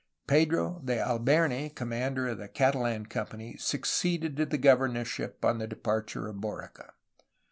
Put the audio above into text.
Pedro de Alberni, commander of the Catalan company, succeeded to the governorship on the departure of Borica.